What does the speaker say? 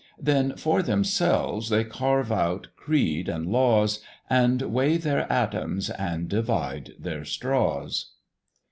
Then for themselves they carve out creed and laws, And weigh their atoms, and divide their straws.